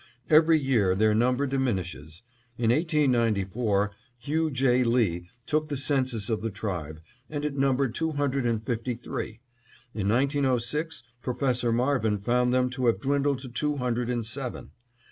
Every year their number diminishes; in 1894, Hugh J. Lee took the census of the tribe, and it numbered two hundred and fifty three; in 1906, Professor Marvin found them to have dwindled to two hundred and seven.